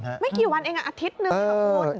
ไม่กี่วันเองอาทิตย์หนึ่ง